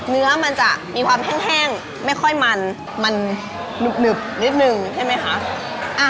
เนื้อมันจะมีความแห้งไม่ค่อยมันมันหนึบนิดนึงใช่ไหมคะ